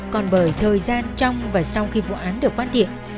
còn bởi thời gian trong và sau khi vụ án được phát hiện